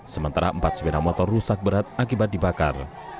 sementara empat sepeda motor rusak berat akibat dibakar